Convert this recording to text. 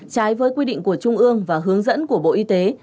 trái với quy định của trung ương và hướng dẫn của bộ y tế